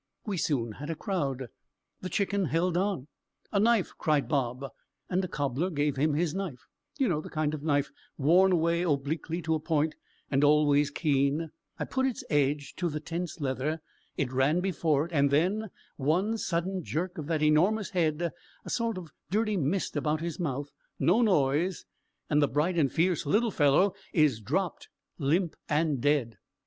We soon had a crowd: the Chicken held on. "A knife!" cried Bob; and a cobbler gave him his knife: you know the kind of knife, worn away obliquely to a point, and always keen. I put its edge to the tense leather; it ran before it; and then! one sudden jerk of that enormous head, a sort of dirty mist about his mouth, no noise and the bright and fierce little fellow is dropped, limp, and dead.